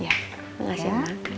iya terima kasih ma